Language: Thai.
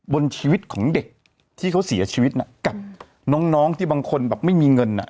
บนชีวิตของเด็กที่เขาเสียชีวิตน่ะกับน้องที่บางคนแบบไม่มีเงินอ่ะ